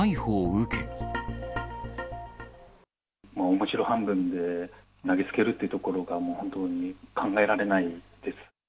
おもしろ半分で投げつけるっていうところが、もう本当に考えられないです。